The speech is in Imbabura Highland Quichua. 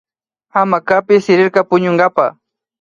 Hamacapi sirirka puñunkapa